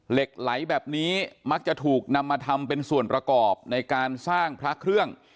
เหล็กไหลแบบนี้มักจะถูกนำมาทำเป็นส่วนประกอบในการสร้างพระเครื่อง